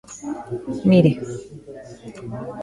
Mire.